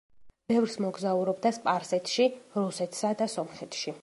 ბევრს მოგზაურობდა სპარსეთში, რუსეთსა და სომხეთში.